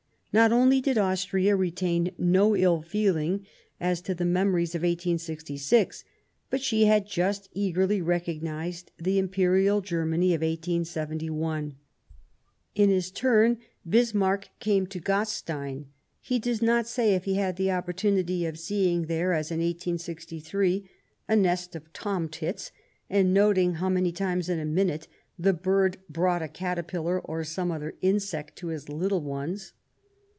Not only did Austria retain no ill feeling as to the memories of 1866, but she had just eagerly recognized the Imperial Germany of 1871. In his turn Bismarck came to Gastein ; he does not say if he had the opportunity of seeing there, as in 1863, a nest of tomtits and noting how many times in a minute the bird brought a caterpillar or some other insect to his little ones.